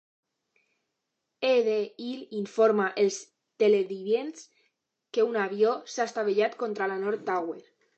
E. D. Hill informa els televidents que un avió s'ha estavellat contra la North Tower.